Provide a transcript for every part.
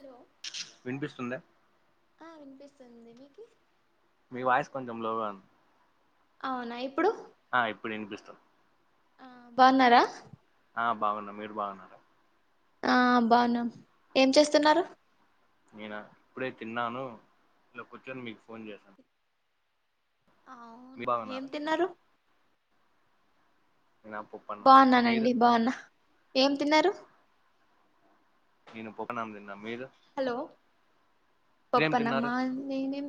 hello విన్పిస్తుందా ఆ వినిపిస్తుంది మీకి మి వాయిస్ కొంచెం లోగా ఉం అవున ఇప్పుడు అ ఇప్పుడు విన్పిస్తుంది ఆ బావున్నారా ఆ బాగున్నామ్ మీరు బాగున్నార ఆ బావున్నాం ఏం చేస్తున్నారు నేనా ఇప్పుడే తిన్నాను ఇలా కూర్చొని మీక్ ఫోన్ చేసాన్ అవునా ఏం తిన్నారు నేను ఆ పప్పన్నం మీరు బావున్నానండి బావున్నా ఏం తిన్నరు నేను పొక్కనాం తిన్నా మీరు హలో ఏం తిన్నారు పప్పనమ్మా నేనేం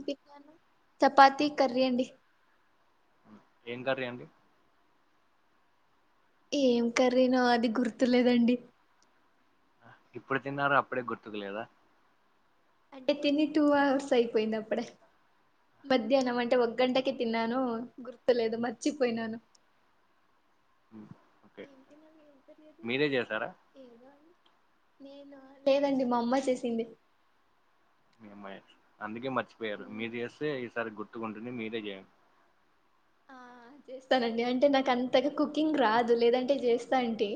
చపాతి కర్రీ అండి ఎమ్ కర్రి అండి ఏం కర్రీనో అది గుర్తులేదండి ఆ ఇప్పుడె తిన్నారా అప్పుడే గుర్తుకు లేదా అంటే తిని టూ అవర్స్ అయిపోయింది అప్పుడె మధ్యాహ్నం అంటే ఒక గంటకి తిన్నాను గుర్తులేదు మర్చిపోయినాను ఓకే ఏం తినాలి ఏం తెలిదు మీరే చేసారా ఏదో అం నేనా లేదండి మా అమ్మ చేసింది మీ అమ్మాయి అందుకే స్క్వేర్ మీరు జేస్తే ఈసారి గుడ్ తుగుంటునే మీరే చేయన్ ఆ చేస్తానండి అంటే నాకంతగా కుకింగ్ రాదు లేదంటే జేస్తాంటి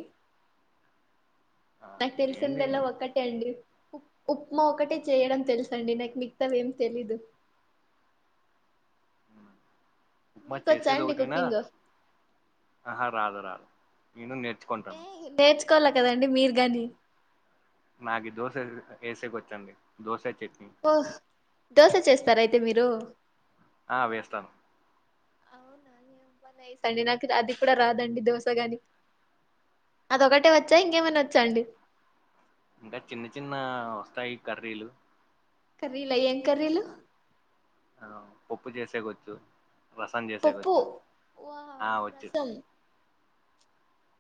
ఆ నాక్ చేయండి తెలిసిందల్లా ఒక్కటే అండి ఉప్ ఉప్మా ఒకటే చేయడం తెల్సండి నాకు మిగితవేం తెలీదు ఉమ్, ఉప్మా మీకొచ్చా చేసేది అండి ఒకటేనా కుకింగ్ ఆహా రాదు రాదు నేను నె ర్చ్కొంటాన్ కోల్ల కదండి మీరు గాని నాకి దోశ ఏసేక్ వచ్చండి దోస చెట్ ఓహ్ దోశ చెస్తార అయితే మీరు ఆ వేస్తాను అవునా వేస్ అండి నాకు అది కూడా రాదండి దోశగాని అదొకటే వచ్చా ఇంకేమైనా వచ్చా అండి ఇంకా చిన్న చిన్న వస్తాయి కర్రీలు కర్రిల ఏం కర్రీలు పొప్పు చేసేకోచ్చు పొప్పు ఆ వావ్ వచ్చు రసం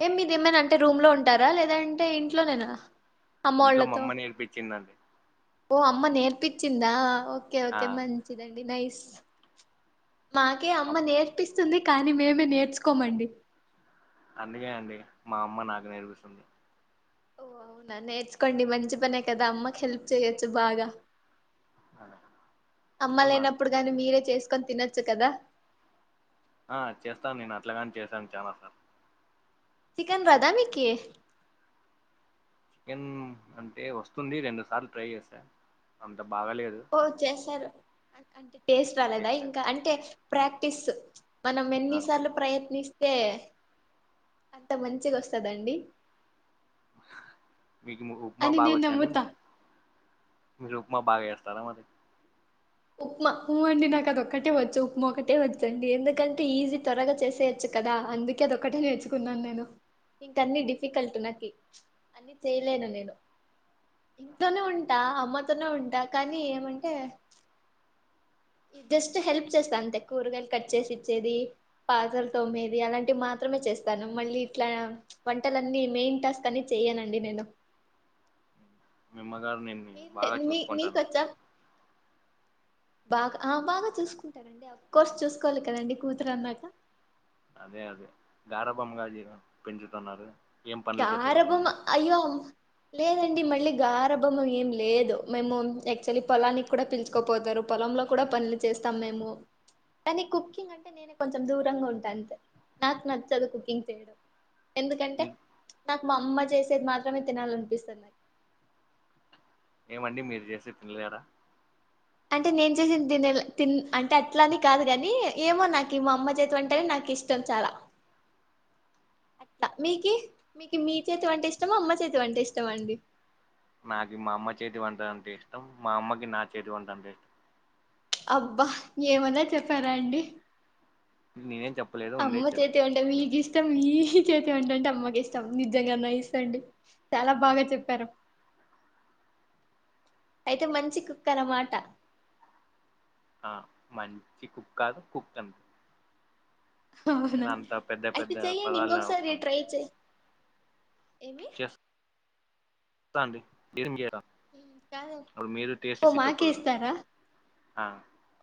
ఎమ్ మీదేమైనా అంటే రూమ్ లో ఉంటారా లేదంటే ఇంట్లోనేనా ఇంట్లో అమ్మోళ్ళతో మమ్మ నేర్పించిందండి ఓ అమ్మ నేర్పించిందా ఒక్ ఓకే ఆ ఓకే మంచిదండి నైస్ మాకే అమ్మ అప్- నేర్పిస్ స్తుంది కానీ మేమే నేర్చుకోమండి అందుకే అండి మా అమ్మ నాకు నేర్పిస్తుంది ఓ అవునా నేర్చుకోండి మంచి పనే కదా అమ్మకి హెల్ప్ చెయొచ్చు బాగా ఆ, చేస్తున్నా అమ్మలేనప్పుడు కానీ మీరే చేస్ కొని తినొచ్చు కదా ఆ చేస్తాను నేను అట్లాగాని చేశాను చనా సార్లు చికెన్ రాదా మీకి చికెన్ అంటే వస్తుంది రెండు సార్లు ట్రై చేసా అంత బాగ్ ఓ చేసారు అన్ అంటే టేస్ట్ రాలేదా చేసా ఇంకా అంటే ప్రాక్టీస్ మనం ఎన్నిసార్లు ప్రయత్నిస్ అంతే అంత మంచిగా వస్తందండి మీకు ఉప్మా అని బాగా నేను వచ్చా అండి మ నమ్ముతా మీరు ఉప్మా బాగా వేస్తారా మరి ఉప్మా ఊ అండి నాకు అదొక్కటే వచ్చు ఉప్మా ఒకటే వచ్చండి ఎందుకంటే ఈజీ త్వరగా చేసేయచ్చు కదా అందుకే అది ఒక్కటే నేర్చుకున్నాను నేను ఇంక అన్ని డిఫికల్ట్ నాకి అన్ని చేయలేను నేను ఇంట్లోనే ఉంటా అమ్మతోనే ఉంటా కానీ ఏమంటే జస్ట్ హెల్ప్ చేస్తా అంతే కూరగాయలు కట్ చేసి ఇచ్చేది పాత్రలు తోమేది అలాంటివి మాత్రమే చేస్తాను మళ్ళీ ఇట్లా వంటలన్నీ మెయిన్ టాస్క్ అన్ని చెయనండి నేను మీ అమ్మగారు నిన్ని బాగా మీరు మీ చూసుకుంటన్నారు మీకొచ్చా బాగా ఆ బాగా చూసుకుంటారండి అఫ కోర్స్ చూసుకోవాలి కదండి కూతురు అన్నాక అదే అదే గారభంగా పెంచుతున్నారు ఏం పనులు గారభం చెప్పుకోకుండా అయ్యో లేదండ్ అండి మళ్ళీ గారభమం ఏం లేదు మేము యాక్చువలీ పొలానికి కూడా పిల్చుకోపోతారు పొలంలో కూడా పనులు చేస్తాం మేము కానీ కుకింగ్ అంటే నేను కొంచెం దూరంగా ఉంటాను అంతే నాకు నచ్చదు కుకింగ్ చేయడం ఎందుకంటే మీ నాకు మా అమ్మ చేసేది మాత్రమే తినాల అనిపిస్తుంది ఏమండి మీరు చేస్తే తినలేరాా అంటే నేను చేసిన తినేల్ తిన్ అంటే అట్లా అనీ కాదు కాని ఏమో నాకు మా అమ్మ చేతి వంట అంటే నాకు ఇష్టం చాలా అట్లా మీకు మీకు మీ చేతి అంటే ఇష్టమ అమ్మ చేతి అంటే ఇష్టం అండి నాకు మా అమ్మ చేతి వంట అంటే ఇష్టం మా అమ్మకి నా చేతి వంట అంటే ఇష్టం అబ్బా ఏమన్నా చెప్పారా అండి నేనేం చెప్ప అమ్మ చేతి వంట మీగి ఇష్ట ఇష్టం ఈ చేతి వంట అంటే అమ్మకి ఇష్టం నిజంగా నైస్ అండి చాలా బాగా చెప్పారు అయితే మంచి కుక్ అన్నమాట ఆ మంచి కుక్ కాదు కుక్ అంతే అవునా అయినా అంత పెద్ద అయితే పెద్ద చెయ్యడి పదాలు ఇంకొకసారి అవసరం ట్రై చేయ ఏమి త అండి [unintelligible] కాదు ఇప్పుడు మీరు టేస్ట్ ఓ చేసి మాకే చెప్పుదురు ఇస్తారా ఆ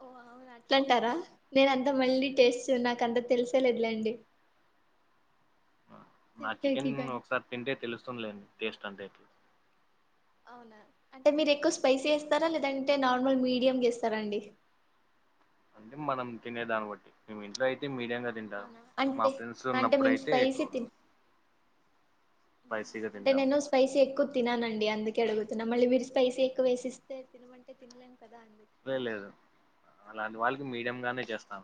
ఓ అవునా అట్లాంటారా నేన అంతా మళ్ళీ టేస్ట్ నాక అంత తెలిసేలేదులేండి నా చికెన్ చెప్పేకి కానీ ఒకసారి తింటే తెలుసు లేండి టేస్ట్ అంతే ఎట్లా అవునా అంటే మీరు ఎక్కువ స్పైసీ ఎస్తారా లేదంటే నార్మల్ మీడియం చేస్తారా అండి అంటే మనం తినేదాన్ని బట్టి మేం ఇంట్లో అయితే మీ తింటారు అవునా మా అంటే ఫ్రెండ్స్ అంటే మేము ఉన్నప్పుడుయితే స్పైసీ ఎక్కువ తిన్ స్పైసీగా అంటే తింటాము నేను స్పైసీ ఎక్కువ తినానండి అందుకే అడుగుతున్నా మళ్ళీ మీరు స్పైసీ ఎక్కువ వేసిస్తే తినమంటే తినలేం కదా అండి లే లేదు అలాంటి వాళ్ళకి మీడియ గానే చేస్తాం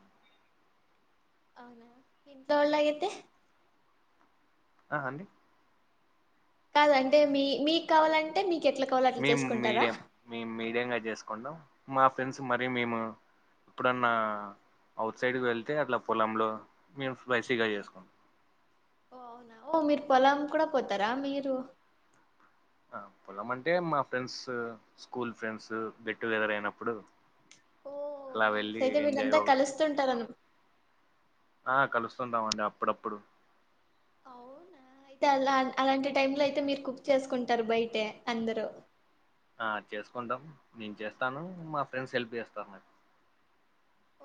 అవునా [unintelligible] వెళ్ళితే ఆ అండి [unintelligible] అంటే మీ మీకు కావాలంటే మీకు ఎట్లా కావాలో అట్లా మేము చేసుకుంటారా మీడియం మేము మీడియం గా చేసుకుంటాం మా ఫ్రెండ్స్ మరి మేము ఎప్పుడన్నా అవుట్ సైడ్కి వెళ్తే అట్లా పొలంలో మేము స్పైసి గా ఆ, చేసుకుంటాం ఓ అవునా ఓ మీరు పొలం కూడా పోతారా మీరు ఆ పొలం అంటే మా friends school friends get together అయినప్పుడు ఓ అలా నైస్ వెళ్ళి అయితే ఎంజాయ్ వీళ్ళంతా ఒకరు కలుస్తుంటారానా వస్తుంటామండి అప్పుడప్పుడు అవునా అయితే అలా అలాంటి టైమ్ లో అయితే మీరు కుక్ చేసుకుంటారు బయట అందరు ఆ చేసుకుంటాం నేను చేస్తాను మా ఫ్రెండ్స్ హెల్ప్ చేస్తారు నాకు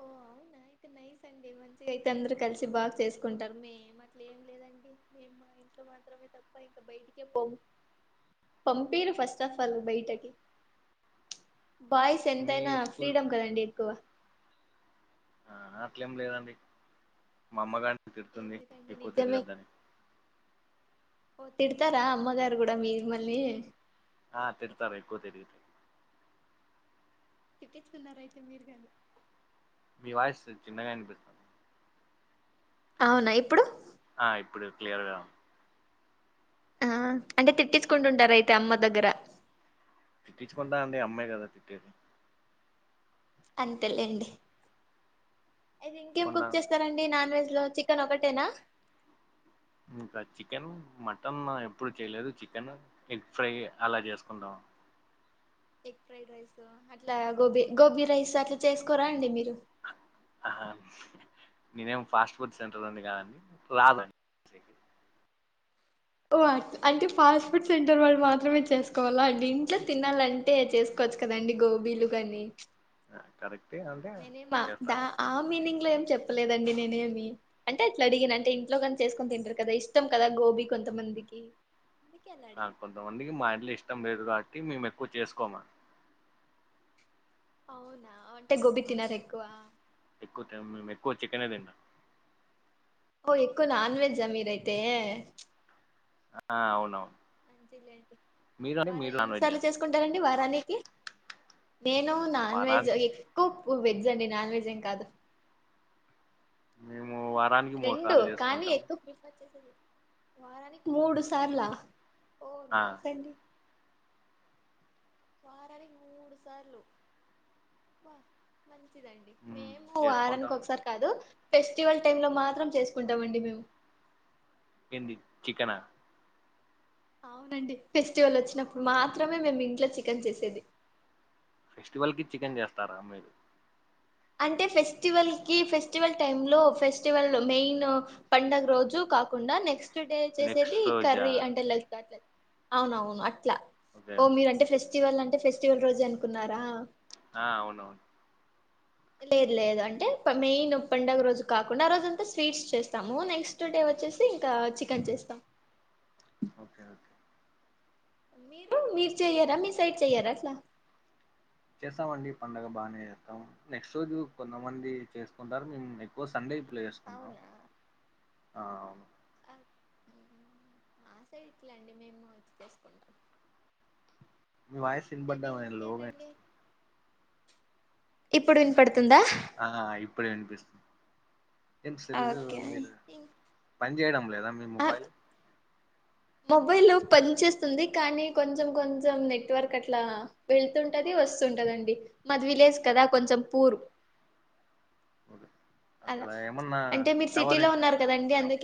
ఓ అవునా అయితే నైస్ అండి మంచిగా అయితే అందరు కలిసి బాగా చేసుకుంటారు మేము అట్లా ఏం లేదండి మేము మా ఇంట్లో మాత్రమే తప్ప ఇంకా బయటికే పొం పంపుతారు ఫస్ట్ ఆఫ్ ఆల్ బయటకి బాయ్స్ మీ ఎంతైనా స్కూల్ ఫ్రీడం ఫ్రెండ్స్ కదండి ఎక్కువ ఆ అట్లేం లేదండి మా అమ్మగాం తిడుతుంది ఎందుకండి ఎక్కువ నిజమే తిరగద్దని ఓ తిడతారా అమ్మగారు కూడా మిమ్మల్ని ఆ తిడతారు ఎకువ తెరిగి తె తీర్చుకున్నారూ అయితే మీరు కానీ వాస్ చిన్నగా వినిపిస్తు అవునా ఇప్పుడు ఆ ఇప్పుడు క్లియర్గా ఆ అంటే తిట్టించుకుంటుంటార అయితే అమ్మ దగ్గర తట్టిచ్చుకుంటా అండి అమ్మాయి కదా తిట్టేది అంతేలేండి అయితే ఇంకేం కుక్ కొంటాను చేస్తారండి నాన్ వెజ్ ఇలో చికెన్ ఒకటేనా ఇంకా చికెన్ మటన్ ఎప్పుడు చేయలేదు చికెన్ ఎగ్ ఫ్రై అలా చేసుకుంటాం ఎగ్ ఫ్రైడ్ రైస్ అట్లా గోబీ గోబీ రైస్ అట్లా చేసుకోరా అండి మీరు ఆ నేనేం ఫాస్ట్ ఫుడ్ సెంటర్ ఉంది కావండి రాలండి ఓ అంటే ఫాస్ట్ ఫుడ్ సెంటర్ వాళ్ళు మాత్రమే చేసుకోవాలా అండి ఇంట్లో తినాలంటే చేసుకోవచ్చు కదండి గోబీలు కాగాని కరెక్ ననేమా ద ఆ మ మీనింగ్ లోం చెప్పలేదండి నేనేమి అంటే అట్లా అడిగిన అంటే ఇంట్లో కాని చేసుకుొని తింటారు కదా ఇష్టం కదా గోబీ కొంతమందికి అందుకే అలా అడిగి కొంతమందికి మా ఇంట్లు ఇష్టం వేరు కా మి మ ఎక్కువ చేసుకోమ అవునా అంటే గోబి తినదు ఎక్కువ ఎక్కువ మేము ఎక్కువ చికెనే తిన్నా ఓ ఎక్కువ నాన్ వెజ్ అమీర్ అయితే ఆ అవునవును ంచిల్ండి మీరు అండి వార మీరు నాన్ ఎన్ని వెజ్ సార్లు ఏనా చేసుకుంటారండి డి వారనేకి నేను నాన్ వెజ్ వారానికి ఎక్కువ వెజ్ అండి నాన్ వెజ్ ఏం కాదు లే రెండు కానీ ఎక్కువ ప వారానికి మూడు సార్లా ఓ న ఆ సడి వారనికి మూడు సార్లు వా మ మంచిదండి మ్మ్ మేము చేసుకుంటాం ఆారానికి ఒకసారి కాదు ఫెస్టివల్ టైమ్ లో మాత్రం చేసుకుంటామండి మేము ఏంది చికెనా అవునండి ఫెస్టివల్ వచ్చినప్పుడు మాత్రమే మేము ఇంట్లో చికెన్ చేసేది ఫెస్టివల్ కి చికెన్ చేస్తారా మీరు అంటే ఫెస్టివల్ కి ఫెస్టివల్ టైమ్ లో ఫెస్టివల్ మెయిన్ పడుగ రోజు కాకుండా నెక్స్ట్ టుడే వచ్చేసేది నెక్స్ట్ రోజా కర్రీ అంటే ల అట్ల అవునవును ఓకే ఓ మీరు అంటే ఫెస్ట్ ఫెస్టివల్ అంటే ఫెస్టివల్ రోజు అనుకున్నారా ఆ అవునవును లేదు లేదు అంటే మెయిన్ పండుగ రోజు కాకుండా ఆ రోజు అంతా స్వీట్స్ చేస్తాము నెక్స్ట్ డే వచ్చేసి ఇంకా చికెన్ చేస్తాము ఓకే ఓకే మీరు మీరు చెయ్యారా మీ సైడ్ చెయ్యారా అట్లా చేస్తామండి పడుగ బాగానే చేస్తాం నెక్స్ట్ రోజు కొంతమంది చేసుకుంటారు మేము ఎక్కువ సండే ప్లే చేసుకుంటాం అవునా ఆ మా సైట్లండి మేముది చేసుకుంటాం మీ వాయసు తనబడ్డా అయితే లో ఇంకేంటండి ఇప్పుడు వన్పడుతు ందా అప్పుడే అనిపిస్తుంది ఏం సల్లు ఓకే మీరు పని చేయడం లేదా మొబైల్ మొబైల్ పని చేేస్తుంది కానీ కొంచెం కొంచెం నెట్వర్క్ అట్లా వెళతుంటది వస్తుంటదండి మాది విలేజ్ కదా కొంచెం పూరు అలా అక్కడ ఏమన్నా అంటే మీరు సిటీ టవర్ లో ఉన్నారు కదండి అందు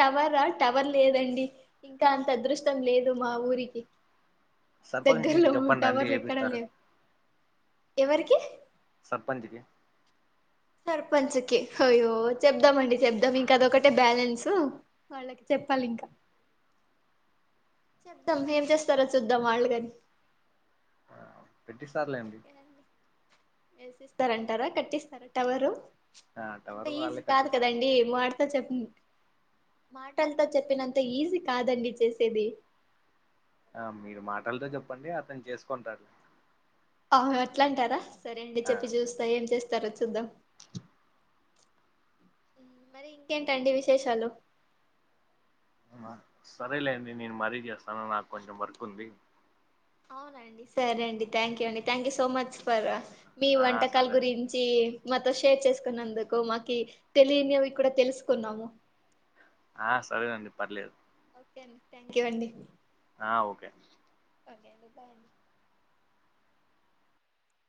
టవరా టవర్ లేదండి ఇంకా అంత అదృష్టం లేదు మా ఊరికి సర్పంచ్కి దగ్గర్లో చెప్పండి అండి టవర్లు ఎక్కడ ఏపిస్తారు లేవు ఎవరికి సర్పంచ్కి సర్పంచ్కి అయ్యో చెప్దామండి చెప్దాం ఇంకా అదొకటే బ్యాలెన్సు వాళ్ళకి చెప్పాలి ఇంకా చెప్దాం ఏం చేస్తారో చూద్దాం వాళ్ళు కాని ఆ పెట్టిస్తారులేండి ఓకే అండి వేసిస్తారంటారా కట్టిస్తారా టవరు ఆ అంత టవర్ ఈజీ వాళ్ళే కదు కట్టిస్త కదండి మ చె మాటలతో చెప్పినంత ఈజీ కాదండి చేసేది ఆ మీరు మాట్డితే చెప్పండి అతను చేసుకుంటలే అవు ఎట్లాంటారా సరే అడి చెప్పి చూస్తా ఏం చేస్త తెర చద్దం మరి ఇంకేంటండి విశేషాలు సరేలేండి నేను మరీ చేస్తాను నాకు కొంచెం వర్క్ ఉంది అవునండి సరే అండి థ్యాంక్ యూ అండి థ్యాంక్ యూ సో మచ్ చె మీ ఆ వంటకాల సరే గురించి మాతో షేర్ చేసుకున్నందుకు మాకి తెలియనివి కూడా తెలుసుకున్నాము ఆ సరేనండి పర్లేదు ఓకే అండి థ్యాంక్ యూ అండి ఆ ఓకే అదే అ లేడి బా అండి